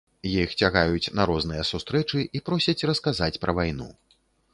Іх цягаюць на розныя сустрэчы і просяць расказаць пра вайну.